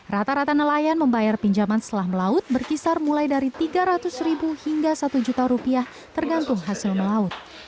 rata rata nelayan membayar pinjaman setelah melaut berkisar mulai dari tiga ratus ribu hingga satu juta rupiah tergantung hasil melaut